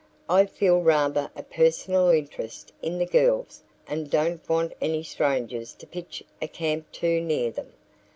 "I feel rather a personal interest in the girls and don't want any strangers to pitch a camp too near them.